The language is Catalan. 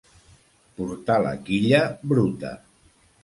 Portar la quilla bruta.